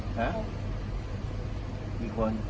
กี่คน